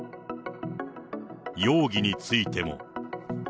容疑についても。